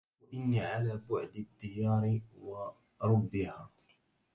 وإني على بعد الديار وربها